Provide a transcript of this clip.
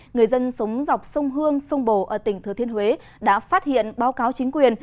người dân sống dọc sông hương sông bồ ở tỉnh thừa thiên huế đã phát hiện báo cáo chính quyền